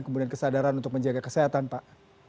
kemudian kesadaran untuk menjaga kesehatan pak